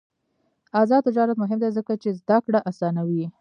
آزاد تجارت مهم دی ځکه چې زدکړه اسانوي.